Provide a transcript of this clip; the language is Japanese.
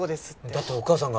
だってお母さんが。